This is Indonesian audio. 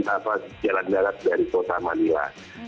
atau jalan jalan dari kota manila